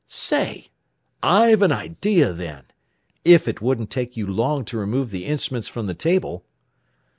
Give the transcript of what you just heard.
"Say I've an idea then! If it wouldn't take you long to remove the instruments from the table?"